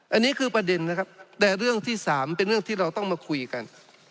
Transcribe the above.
อันนี้คือประเด็นนะครับแต่เรื่องที่สามเป็นเรื่องที่เราต้องมาคุยกัน